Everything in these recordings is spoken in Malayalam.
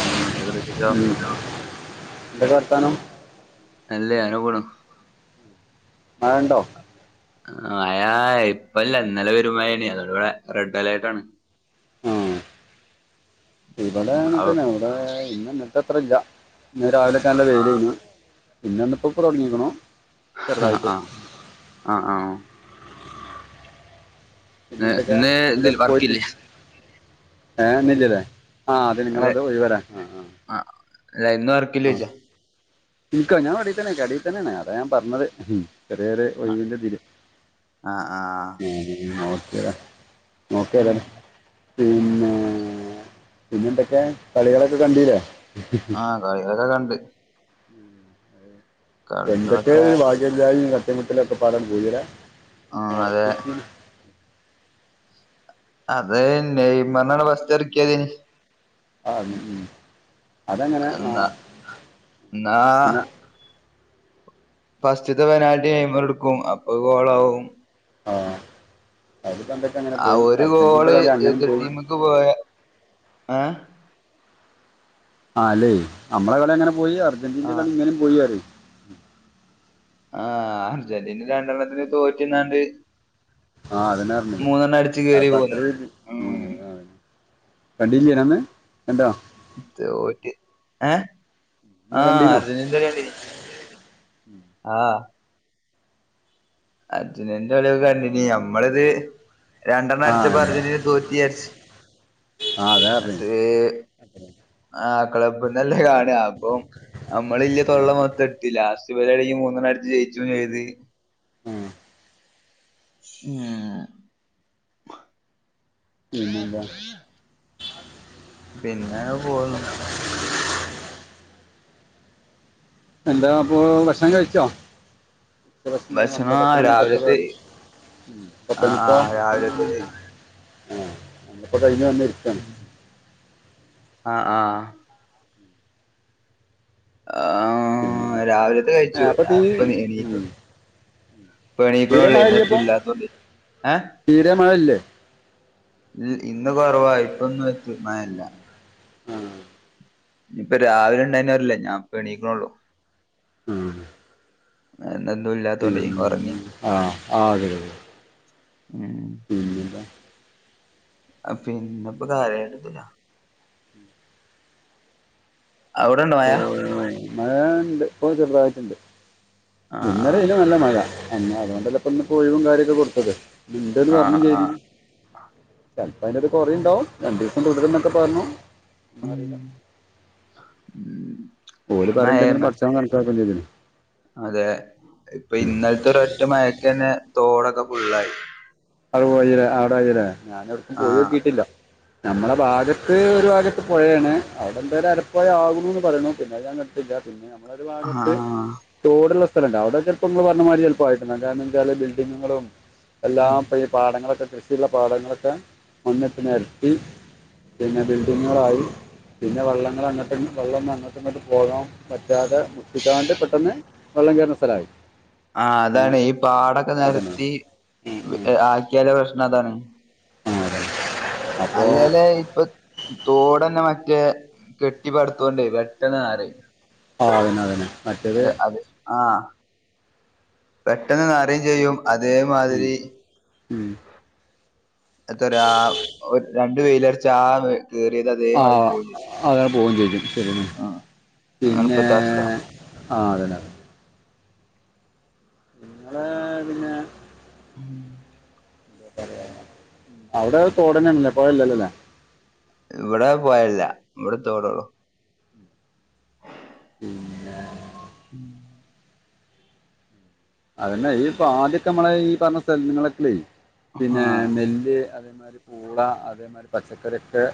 ആഹ് എന്തൊക്കെണ്ട് വിശേഷം? എന്തൊക്കെ വർത്താനം നല്ല അങ്ങനെ പോണു. മയണ്ടോ മയ ഇപ്പല്ല ഇന്നലെ പെരും മഴേണ് അതോടൂടെ റെഡ് അലേർട്ടാണ്. ആഹ് ഇവിടൊ ഉം അവ് അങ്ങനെതന്നെ ഇവിടെ ഇന്നതെ അത്ര ഇല്ല. ഇന്ന് രാവിലെക്കാ നല്ല വെയിലയന് പിന്നെന്നിപ്പോ ഇപ്പ തുടങ്ങികണ്. ഹ ആഹ് ആഹ് ആഹ് ആഹ് ഇന്ന് ഇന്ന് പിന്നെന്തൊക്കെ ഇതിൽ പോയി വർക്കില്ലേ ഏന്നില്ലല്ലേ ആഹ് അത് അതെ നിങ്ങളത് ഒഴിവരാം ആ ആഹ് ല്ല ഇന്ന് ർ ആഹ് നിക്കോ ഞാൻ അടയിൽ തന്നെ അടയിൽ തന്നെയാണ് അത ഞാൻ പറഞ്ഞത് ചെറിയോരു ഒഴിവിന്റെതിൽ. ആഹ് ആഹ് നോക്കേതാ നോക്കേതായാലും പിന്നെ പിന്നെ എന്തൊക്കെ കളികളൊക്കെ കണ്ടീല്ലേ ആഹ് കളികളൊക്കെ കണ്ട്. എന്തൊക്കെയ കളികളൊക്കെ ഒരു ഭാഗ്യല്ലായ കട്ടിമുട്ടിലൊക്കെപാടെ പോരാ ആഹ് അതെ ഉറപ്പീചിന് അതെ നെയ്മറിനെ ഫസ്റ്റ് ഇറക്കിയതിനി. ആഹ് ഉം അതെങ്ങനെ എന്നാ ആഹ് എന്നാ പിന്നെ ഫസ്റ്റത്തെ പെനാൽറ്റി നെയ്മർ എടുക്കും അപ്പൊ ഗോളാവും. ആഹ് അത്പക്കെ അങ്ങനെ പോയി അർജന്റീന്റെ കളി അങ്ങനും പോയി. ക്ക് പോയ ഏ ആഹ് അല്ലേ നമ്മള കളി അങ്ങനെ പോയി അർജന്റീനന്റെ ആഹ് കളി ഇങ്ങനും പോയി. ആഹ് അർജന്റീന രണ്ടെണ്ണത്തിന് തോറ്റ്ന്നാണ്ട്. ആഹ് അതെന്നെ അർഞ്ഞത്. അടിച്ച് കേറി അപ്പൊ പോന്ന് അത്രേ ഉം ആ കണ്ടിൻ ചിയ്യണൊന്ന് കണ്ടോ? തോറ്റ്. ഏഹ് നമ്മൾ ആഹ് കണ്ടീനോ അർജന്റീനന്റെ കളികണ്ടീന് ആഹ് അർജന്റീനന്റെ കളിയൊക്കെ കണ്ടിന് നമ്മള്ത് രണ്ടെണ്ണം ആ അടിച്ചപ്പൊ എന്താ അർജന്റീന തോറ്റ്ചാരിച്. ആ അതാ പറഞ്ഞു ഇന്ന്ട്ട് ആഹ് ക്ലബ്ന്നല്ലെ കാണ. അപ്പൊം നമ്മളില്യ തൊള്ള മൊത്തം ലാസ്റ്റ് ഇബലാണെങ്കി മൂന്നെണ്ണ അടിച് ജയിച്ചും ചെയ്ത്. ആഹ് ഉം പിന്നെന്താ പിന്നെ പോവ്ന്നു എന്താപ്പോ ഭഷ്ണം കഴ്ച്ചൊ. ഭക്ഷണം ആ പത്ത് മണി പത്ത് രാവിലത്തെ ഉം ആ ആ പത്ത്വണിക്കോ രാവിലത്തത് ഏഹ് ഞങ്ങളിപ്പ കയിഞ്ഞ് വന്ന് ഇരി ഉം ആഹ് ആഹ് പിന്നെ ആഹ് രാവിലത്തെ കഴ്ച്ചു ആ, അപ്പൊ തീ ഞാപ്പൊ നീ ഉം, എണീക്കും ഇപ തീരെ എണീക്ക്ണൊള്ളെ മഴ ഇല്ലപ്പോ ഇന്നെത്തുല്ലാത്തോണ്ട് ഏഹ് തീരെ മഴല്ലേ? ഇന്ന് കൊറവാ ഇപ്പൊന്നും എത്തു മയല്ല. ആഹ് ഞിപ്പ രാവിലെ ഇണ്ടായന്നൊ അറ്ല്ല ഞാപ്പ എണീക്ക്ണൊള്ളു. ആഹ് അതെന്നെ ഒന്നു ഇല്ലാത്തോണ്ടെ ഒറങ്ങി ആ ആ പിന്നെ ആ ആ ഉം പിന്നെന്ത പിന്നെപ്പ കാര്യായ്ട്ത്തില അവ്ടണ്ടൊ മഴ മഴാ ഇണ്ട് ഇപ്പൊ ചെറ്തായിട്ട്ണ്ട്. ആഹ് ഇന്നലെയ്നു നല്ല മഴ എന്നെ അതോണ്ടല്ലെ ഇപ്പം ഇന്ന് ഒഴിവും കാര്യൊക്ക കൊട്ത്തത് ഇണ്ട്ന്ന് പർഞ്ഞും ആഹ് ചെയ്ത് ആഹ് ചെൽപ്പൊ അയ്ന്റൊക കൊറിണ്ടാവും രണ്ടീസം തുടരും ന്നൊക്കെ പറ്ഞ്ഞു ഒന്നു ഉം അറീല്ല ഉം ഓല് പറിണെണ്ടെങ്കിലും പട്ച്ചോൻ കണക്കാക്കണ്ടേരല്ലൊ അതേ. ഇപ്പൊ ഇന്നൽത്തെ ഒരറ്റ മഴക്കെന്നെ തോടൊക്കെ ഫുള്ളായി [unintelligible] ഞാൻ എവട്ക്കും ആഹ് പോയോകീട്ട്ല്ല നമ്മള ഭാഗത്ത് ഒരു ഭാഗത്ത് പൊഴേണ് അവ്ടെ എന്തര അരപ്പൊഴ ആവ്‌ണൂന്ന് പറിണു പിന്നെ ഞാൻ [unintelligible] പിന്നെ നമ്മള ഒരു ഭാഗത്ത് ആഹ് തോട്ള്ള സ്ഥലംണ്ട് അവടെ ചെൽപ്പൊ ഇങ്ങള് പർഞ്ഞ മാരി ചെൽപ്പായിട്ട്ണ്ടാവും കാര്ണം എന്തേച്ചാൽ ബിൽഡിങ്ങുകളും ഉം എല്ലാം ഇപ്പം ഈ പാടങ്ങളൊക്കെ കൃഷിള്ള പാടങ്ങളൊക്കെ മണ്ണ്ട്ട് നെര്ത്തി പിന്നെ ബിൽഡിങ്ങ്കളായി പിന്നെ വള്ളങ്ങള് അങ്ങ്ട്ടും വള്ളംന്ന് അങ്ങ്ട്ടും ഇങ്ങ്ട്ടും പോകാൻ പറ്റാതെ മുട്ടിക്കാണ്ട് പെട്ടെന്ന് വള്ളം കേർണസ്ഥലായി ആഹ് അതാണെ ഈ പാടൊക്ക അതന്നെ നെര്ത്തി ഉം, ഉം. ആക്കിയാല് പ്രശ്നം അതാണ് ആ അതെ അപ്പോൾ അല്ലേലേ ഇപ്പൊ തോടെന്നെ മറ്റേ കെട്ടിപ്പടുത്തോണ്ടയ് പെട്ടെന്ന് നറിം ആഹ് അതന്നെ അതന്നെ മറ്റേത് അതെ അതെ ആഹ് പെട്ടെന്ന് നറിം ചെയ്യും ഉം, അതേമാതിരി ഉം. എത്തരാ ഒര് രണ്ട് വെയിലർച്ചാ ആഹ് കീറിയേതത് ആഹ് അതാ പോവും ചെയ്യും ശരിന്നെ ആഹ് അതാണ് പിന്നേ ഇപ്പത്തെ അവസ്ഥ ആഹ് അതന്നെ ങ്ങളെ പിന്നെ അവ്ടെ തോടന്നെണ്ല്ലേ പൊഴ ഇല്ലല്ലോ ലേ ഇവടെ പൊഴല്ല ഇവടെ തോടൊള്ളൂ പിന്നെ ഉം അതന്നെ ഈ ഇപ്പൊ ആദ്യൊക്കെ മ്മളെ ഈ പർഞ്ഞ സ്ഥലങ്ങളൊക്കെ പിന്നെ ആഹ് നെല്ല് പൂള അതേമാതിരി പച്ചക്കറിയൊക്കെ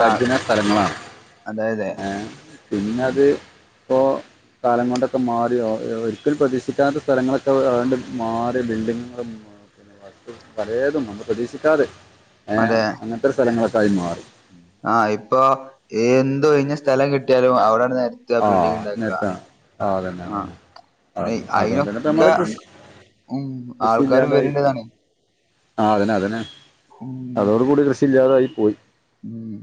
ആഹ് സ്ഥലങ്ങളാണ് അതെയതെ ഏ പിന്നത് ഇപ്പോ കാലം കൊണ്ടൊക്കെ മാറിയോ ഒരിക്കലും പ്രതീക്ഷി ക്കാത്ത സ്ഥലങ്ങളൊക്കെ ആണ്ട് മാറി ബിൽഡിങ്ങ്കളും പലേതും നമ്മൾ പ്രതീക്ഷിക്കാതെ ഏഹ് അതെ അങ്ങൻത്തെ സ്ഥലങ്ങളൊക്കായി മാറി ആഹ് ഇപ്പൊ എന്ത് ഒഴിഞ്ഞ സ്ഥലം കിട്ടിയാലും അവ്ട നര് ഒക്കെ ആ ബിൽഡിങ്ണ്ടാക്ക നേരത്താണ് ആ അതന്നെ ആഹ് അതന്നെ ആ പിന്നെ അതുകൊണ്ട് തന്നെ ഇപ്പ അയിനൊക്കെ നമ്മുടെ കൃഷി ഉം ആൾക്കാര് വര്ണ്ട്ന്നർനീ ആഹ് അതന്നെ അതന്നെ അതോട് കൂടി കൃഷിയില്ലാതൊയി പോയി ഉം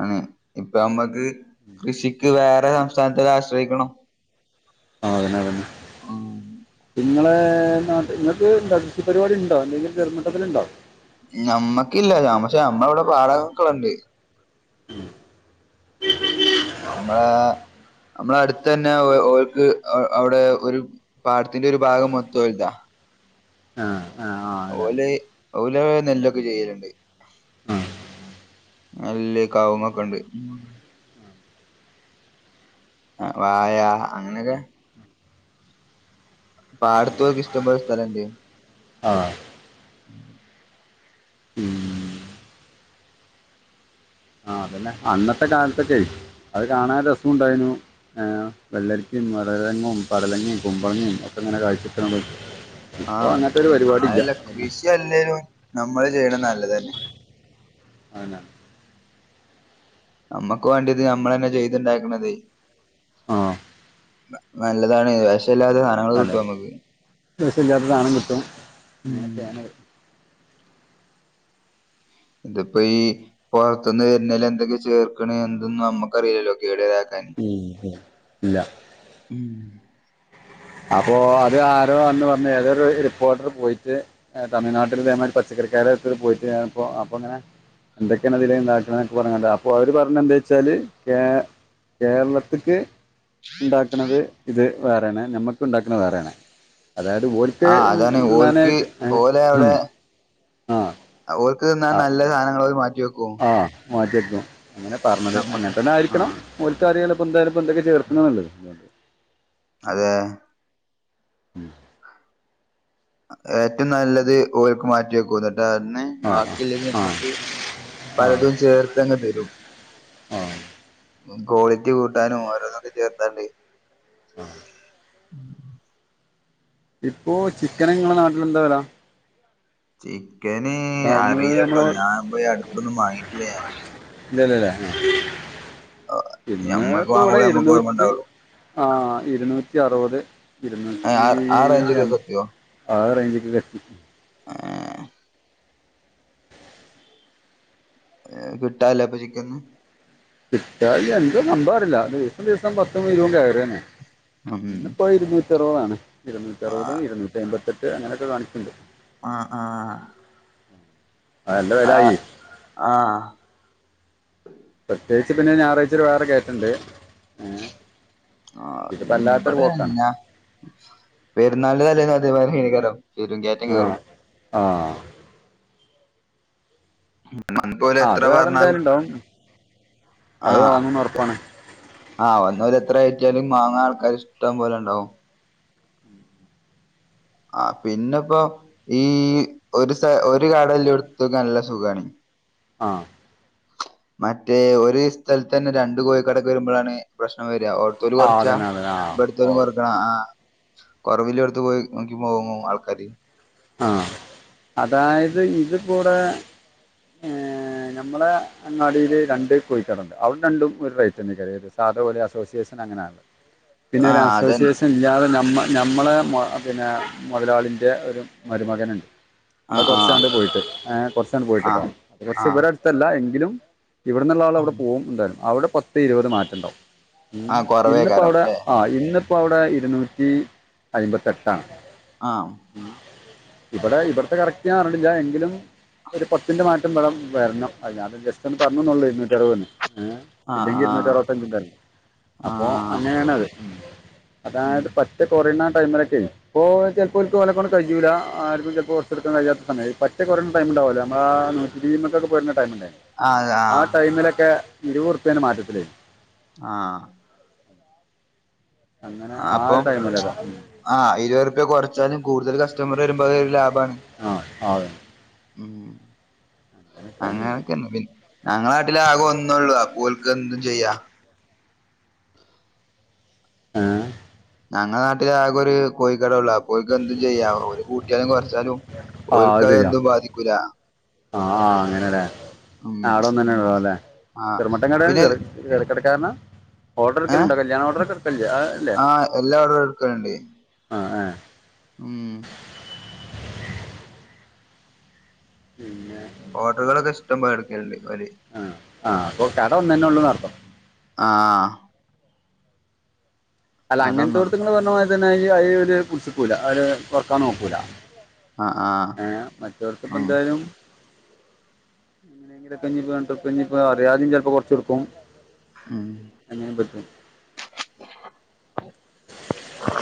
ആണ് ഇപ്പം ഞമ്മക്ക് കൃഷിക്ക് വേറെ സംസ്ഥാനത്തിനെ ആശ്രയിക്കണം ആഹ് അതന്നെ അതന്നെ ആഹ് ഇങ്ങളെ നാട്ട് ഇങ്ങക്ക് ണ്ടോ കൃഷി പരിപാടിണ്ടോ എന്തെങ്കിൽ ചെർമട്ടത്തില്ണ്ടോ നമ്മക്കില്ല പക്ഷേ അമ്മളെ ഇവടെ പാഠകകള്ണ്ടെ ഉം [inaudible] നമ്മളെ നമ്മളെ അടുത്ത്തന്നെ ഓൾക്ക് അവിടെ ഒരു പാടത്തിന്റെ ഒരു ഭാഗം മൊത്തം ഓല്താ ആഹ് ആഹ് ഓല ഓല് നെല്ലൊക്കെ ചെയ്ലുണ്ട് ആഹ് നെല്ല് കാവുങ്ങൊക്കെ ഉണ്ട് വാഴ അങ്ങനെയൊക്കെ പാടത്ത് ഓല്ക്ക് ഇഷ്ടപൊലെ സ്ഥലണ്ട് ആഹ് ഉം മ് ആഹ് അതന്നെ അന്നത്തെ കാലത്തൊക്കെ അത് ഉം കാണാൻ രസു ഉണ്ടായിരുന്നു ഏർ വെള്ളരിക്കയും വട ലങ്ങയും പടലങ്ങയും കുമ്പളങ്ങയും ഒക്കെ ഇങ്ങനെ കാഴ്ചക്കു ആഹ് അതല്ല കൃഷി അല്ലേലും നമ്മള് ചെയ്യണത നല്ലതന്നെ അതന്നെ നമ്മക്ക് വണ്ടിയത് നമ്മള തന്നെ ചെയ്തുണ്ടാക്കണതേ ആഹ് നല്ലതാണ് പക്ഷേ അല്ലാതെ അതെ രസല്ലാത്ത സാനം കിട്ടും ഉം അങ്ങനെയൊക്കെയാണത് ഇതിപ്പോ ഈ പൊറത്ത്ന്ന് വരുന്നൊര് എന്തൊക്കെ ചേർക്ക്ണെ എന്തന്നും നമ്മുക്കറിയില്ലല്ലോ കേടതാക്കാൻ ഉം ഇല്ല ഉം അപ്പോ അത് ആരോ അന്ന് വന്ന് ഏതൊരു റിപ്പോർട്ടർ പോയിട്ട് തമിഴ്നാട്ടിൽ ഇതേയമായിരി പച്ചക്ക റിക്കാര് പോയിട്ട്പ്പോ അപ്പൊ അങ്ങനെ എന്തൊക്കെയാണ് ഇതിലിണ്ടാക്കണൊക്കെ പറഞ്ഞ് കാണ്ട് അപ്പൊ അവര് പറഞ്ഞത് എന്താ വെച്ചാല് കേരളത്തിക്ക് ഉണ്ടാക്കുന്നത് വേറെയാണ് നമ്മുക്ക് ഉണ്ടാക്കുന്നത് വേറൊണ് അതായത് പോല ഒക്കെ ആഹ് അതാണ് ഓൽക്ക് നണാനായിട്ട് ഉം ആഹ് ഓർക്ക് തിന്നാൻ നല്ല സാധനങ്ങള അവർ മാറ്റി വെക്കും ആഹ് മാറ്റി വയക്കും അങ്ങനെ പറഞ്ഞത് അങ്ങന നമ്മക്ക് തന്നെ ആയിരിക്കണം ആഹ് ഓൽക്കും അറിയാലൊ എന്താലും എന്തെക്കെയാ ചേർക്കണല്ലത് അതെ ഉം ഏറ്റവും നല്ലത് ഓർക്ക് മാറ്റി വെക്കുംന്ന കേട്ട് അന്നെ ആ ബാക്കിയല്ലത് ആ ആ നമ്മുക്ക് പലതും ചേർത്ത്ങ്ങ് തരും ആഹ് കോളിറ്റി കൂട്ടാനും ഓരോന്നു ഒക്കെ ചേർത്താണ്ട് ആഹ് ഉം ഉ ഇപ്പോചിക്കന് നിങ്ങളെ നാട്ടിൽ എന്താ വില ചിക്കന് അവിടുന്ന് അറിയില്ലട്ടോ നമ്മളെ ഞാൻ പോയി അടുത്തൊന്നും വാങ്ങിട്ടില്ല ഞാൻ ഇല്ലല്ലല്ലേ ഞാൻ പിന്ന ഞമ്മക്ക് ഇപ്പ ഇവിടെ വാങ്ങുമ്പോളേ നമ്മക്ക് ഓർമ്മ ഇരുന്നൂറ്റി ഉണ്ടാവുള്ളു ആ ഇരുന്നൂറ്റി അറുപത് ഇരുന്നൂറ്റി ആ ആ റേഞ്ചൊക്കെ എൻ എത്തിയോ ആറേജിക്ക്ക് കത്തി ഏ കിട്ടാനില്ല അപ്പൊ ചിക്കനൊന്നും കിട്ടാനില്ല എന്താ സംഭവം അറില്ല ദിവസം ദിവസം പത്തും ഇരുപതും കേറി വന്നെ ഉം ഇന്നിപ്പോ ഇരുന്നൂറ്റി അറുപതാണ് ഇരുന്നൂറ്റ ആ അറുപതും ഇരുന്നൂറ്റി അമ്പത്തി എട്ട് അങ്ങനെയൊക്കെ കാണിക്കുന്നുണ്ട് ആഹ്ആഹ് ആ നല്ല ആഹ് വിലായി ആഹ് പ്രത്യേകിച്ച് പിന്നെ ഞായറാഴ്ച ഒരു വേറെ കേറ്റണ്ട് ഏ ആ ഇവിടെ പോക്കാണ് ന്നാ പെരുന്നാള് തലേന്ന് അതേ മാതിരി ആയിരിക്കുലൊ ശെരി കേറ്റം കയറും ആഹ് നമുക്ക് ഓല് ആ എത്ര അത് വേറെ പറഞ്ഞാലും എന്തായാലും ഉണ്ടാവും അത് ആഹ് വാങ്ങും ഉറപ്പാണ് വന്ന് അവരെത്ര കയറ്റിയാലും മാങ്ങാ ആൾക്കാർ ഇഷ്ടം പോലെ ഉണ്ടാവും ആ പിന്നെപ്പോ ഈ ഒരു സ ഒരു കടല്ല എടുത്തക്ക നല്ല സുഖണ് ആഹ് മറ്റേ ഒരു സ്ഥലത്ത് തന്നെ രണ്ട് കോഴിക്കടക്ക് വരുമ്പോഴാണ് പ്രശ്നം വരിയാ ഓടത്തര് ആ കുറച്ചാ അതന്നെ അതന്നെ ആ ഓ എടുത്തരും കുറക്കണ ആ കുറവില്ല എടുത്ത പോയി നോക്കി പോവും ആൾക്കാര് ആ അതായത് ഇത് കൂടെ നഞമ്മളെങ്ങാടിൽ രണ്ട് കോഴിക്കാടു ഉണ്ട് അവിടെ രണ്ടും ഒരു റെയ്റ്റ് തന്നക്കറിയത് സാധപോലെ അസോസിയേഷൻ അങ്ങനെയാണ് [unintelligible] പിന്നെ ആ ഒരു അതൻ അസോസിയേഷൻ ഇല്ലാതെ നമ്മ നമ്മളെ പിന്നെ മുതലാളിൻ്റെ ഒരു മരുമകൻ ഉണ്ട് ആ അ ആ കുറച്ചാണ്ട് പോയിട്ട് കുറച്ചാണ്ട് ആ പോയിട്ടിട്ടോ അത് ആ കുറച്ച് ഇബ ത്തല്ല എങ്കിലും ഇവിടെ നിന്നുള്ള ആൾ ഉം അവിടെ പോകും എന്തായാലും അവിടെ പത്ത് ഇരുപത് മാറ്റം ഉണ്ടാവും ഉ ആ ഇന്നിപ്പോ കൊറവേക്കാരം അവിടെ ല്ലേ ആ ഇന്നിപ്പോ അവിടെ ഇരുന്നൂറ്റി അയിമ്പത്തെട്ട്ആണ് ആം ഇവിടെ ഇവിടത്തെ കറക്റ്റ് ഞാൻ അറിഞ്ഞിട്ടില്ല എങ്കിലും ഒരു പത്തിന്റെ മാറ്റം വ വരണംത് ജസ്റ്റ് ഒന്ന് പറഞ്ഞന്നള്ളൂ ഇരുന്നൂറ്റി എഴുപത് തന്നെ ആ ഇല്ലെങ്കി ആ ഇരുന്നൂറ്റിഅറോത്തഞ്ച് തരരുന്നു ആ അപ്പൊ അങ്ങനെയണത് ഉം അതായത് പ റ്റ്കൊറോണ ടൈമിലൊക്കെ ഇപ്പോ ചിലപ്പോൾക്ക് ഓലെ കൊണ്ട് കഴൂല ആർക്കും ചിലൾ ഹോൾ സെയിൽ എടുക്കാൻ കഴിയാത്ത സമയ പറ്റേ കുറയണ ടൈമുണ്ടാവുല്ലെ നമ്മളാ നൂറ്റിരുപതിനൊക്കെ പോരുന്ന ടൈമില്ലേ ആ ടൈമിലൊക്കെ ഇരുപറുപ്പേന് മാറ്റത്തിലേ ആഹ് അങ്ങനെ ആ ഒരു ടൈമല്ലേതാ ആഹ് ഇരുപത് ർപ്യ കുറച്ചാലും കൂടുതൽ കസ്റ്റമർ വരുമ്പോ അ ഒരു ലാഭമാണ് ആ ആ അതെ. ഉം അങ്ങനെയൊക്കെ. അങ്ങനൊക്കെ ഞങ്ങളാട്ടില ആകെ ഒന്നേള്ളൂ അപ്പോൽക്ക് എന്തും ചെയ്യാ ഏഹ് ഞങ്ങള നാട്ടില ആകെ ഒരു കോഴിക്കട ഒള്ളൂ. അപ്പോൽക്ക് എന്തും ചെയ്യാം ഒരു കൂട്ടിയാലും കുറച്ചാലും ആഹ് അത് ശെരിയാ ആ ആഹ അങ്ങനെലെ ഉം ആഹ് അവിടെ ഒന്നന്നെ ഒള്ളൂ ലെ ആഹ് ചെറുമമട്ടൻ കടയാണ് പിന്നെ ചെറ ചെറക്കിടക്കാരന ഓർഡർഎടുക്കൽ ഏഹ് ഉണ്ടോ കല്യാണ ഓർഡറൊക്കെ എടുക്കല്ലേ ആഹ് എല്ലാ ഓർഡറും എടുക്കലുണ്ട് ആ ആഹ് ഉം പിന്നെ ഓർഡർ കളൊക്കെ ഇഷ്ടം പോലെടുക്കലുണ്ട് ഓൽ ആഹ് ആഹ് അപ്പൊ കട ഒന്നു ന്നെ ഉള്ളൂന്ന് അർത്ഥം ആഹ് അല്ല അങ്ങൻതോട്ത് അതൊന്നുള്ളു നിങ്ങൾ പറഞമാതിരി ന്നെ ഈ ഒരു പിടിച്ചുക്കൂല അവര് കുറക്കാൻ നോക്കൂല ആഹ് ആഹ് ഏഹ് മറ്റവർക്ക് ഇപ്പ ഉം എന്തായാലും എങ്ങനെങ്കിലൊക്കെ ഇഞ് രണ്ട് ർപ്യ ഇഞ് പ്പം അറിയാതിമ്‌ ചെലപ്പം കൊറച്ചൊടുക്കും ഉം അങ്ങനെ പറ്റും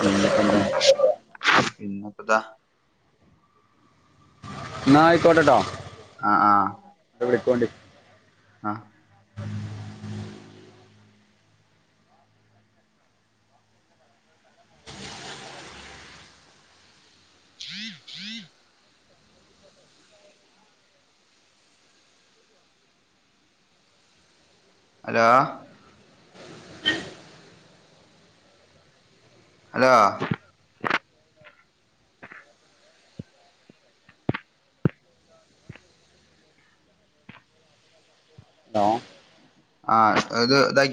ഇനിയിപ്പോൾ എന്താ പിന്നെത്താ ന്നാ ആയ്ക്കോട്ടട്ടോ ആഹ് ആഹ് വിളിക്കൊണ്ടി ആഹ് ഹലോ അലോ ഹലോ ആഹ് അത് ഇതാക്കി